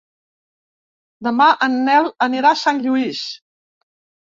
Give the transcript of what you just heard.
Demà en Nel anirà a Sant Lluís.